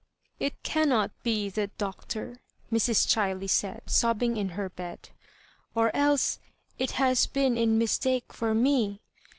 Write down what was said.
" It cannot be the Doctor," Mrs. Chiley said, sobbing m her bed, '' or else it has been in mis take for me.